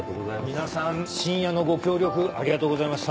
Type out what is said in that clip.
皆さん深夜のご協力ありがとうございました。